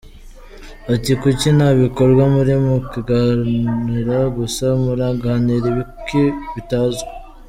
Ati “Kuki nta bikorwa, muri mu kuganira gusa, muraganira ibiki bitazwi.